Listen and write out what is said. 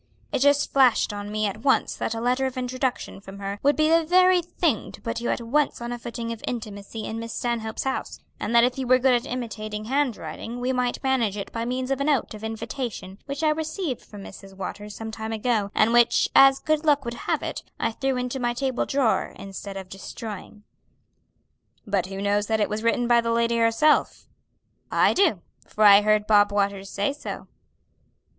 "It just flashed on me at once that a letter of introduction from her would be the very thing to put you at once on a footing of intimacy in Miss Stanhope's house; and that if you were good at imitating handwriting we might manage it by means of a note of invitation which I received from Mrs. Waters some time ago, and which, as good luck would have it, I threw into my table drawer instead of destroying." "But who knows that it was written by the lady herself?" "I do, for I heard Bob Waters say so."